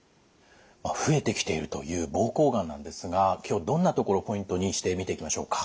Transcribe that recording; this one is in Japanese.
増えてきているという膀胱がんなんですが今日どんなところポイントにして見ていきましょうか。